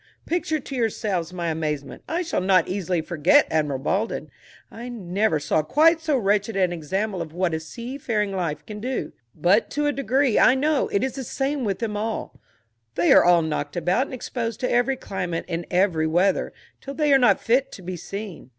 Picture to yourselves my amazement; I shall not easily forget Admiral Baldwin. I never saw quite so wretched an example of what a sea faring life can do; but to a degree, I know, it is the same with them all; they are all knocked about, and exposed to every climate and every weather, till they are not fit to be seen.